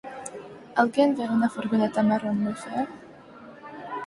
Alguén ve unha furgoneta marrón moi fea?